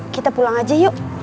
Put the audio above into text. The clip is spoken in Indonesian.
kita pulang aja yuk